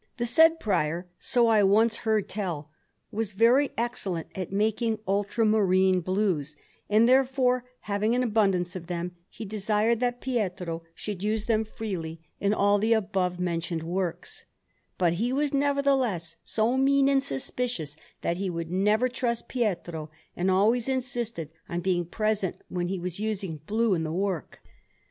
The said Prior, so I once heard tell, was very excellent at making ultramarine blues, and, therefore, having an abundance of them, he desired that Pietro should use them freely in all the above mentioned works; but he was nevertheless so mean and suspicious that he would never trust Pietro, and always insisted on being present when he was using blue in the work.